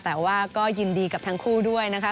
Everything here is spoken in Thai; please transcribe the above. แต่ว่าก็ยินดีกับทั้งคู่ด้วยนะคะ